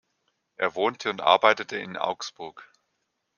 Er wohnte und arbeitete in Augsburg.